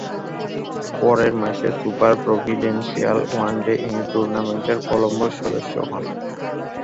পরের মাসে super provincial one day টুর্নামেন্টের কলম্বোর সদস্য হন।